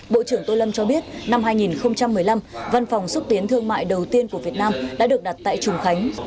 bộ trưởng tô lâm cho biết năm hai nghìn một mươi năm văn phòng xúc tiến thương mại đầu tiên của việt nam đã được đặt tại trùng khánh